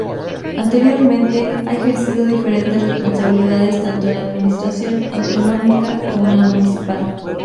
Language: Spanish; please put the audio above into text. Anteriormente, ha ejercido diferentes responsabilidades tanto en la Administración autonómica como en la municipal.